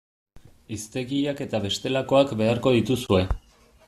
Hiztegiak eta bestelakoak beharko dituzue.